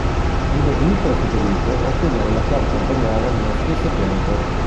Ludovico e Federico ottennero la carica imperiale nello stesso tempo.